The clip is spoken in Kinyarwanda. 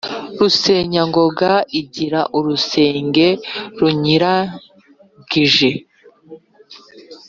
Rusenyangogo igira urusenge ruyirangije.